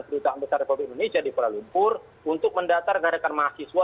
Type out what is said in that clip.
kedutaan besar republik indonesia di kuala lumpur untuk mendatar rekan rekan mahasiswa